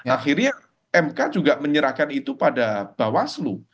akhirnya mk juga menyerahkan itu pada bawaslu